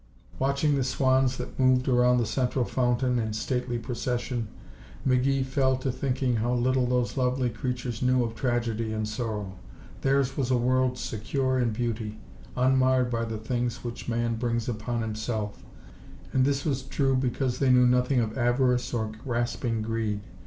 Watching the swans that moved around the central fountain in stately procession, McGee fell to thinking how little those lovely creatures knew of tragedy and sorrow. Theirs was a world secure in beauty, unmarred by the things which man brings upon himself, and this was true because they knew nothing of avarice or grasping greed.